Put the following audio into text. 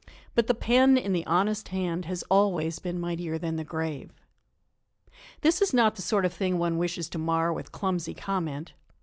But the pen, in the honest hand, has always been mightier than the grave. This is not the sort of thing one wishes to mar with clumsy comment.